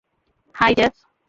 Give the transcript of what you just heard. High, jazz.